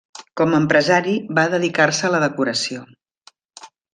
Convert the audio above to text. Com empresari va dedicar-se a la decoració.